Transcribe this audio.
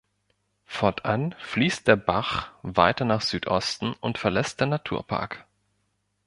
Fortan fließt der Bach weiter nach Südosten und verlässt den Naturpark.